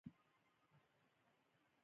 ځینې مشخص ډول کبان تر نورو